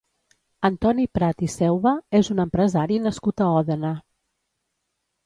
Antoni Prat i Seuba és un empresari nascut a Òdena.